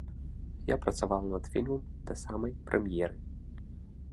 Я працавала над фільмам да самай прэм'еры.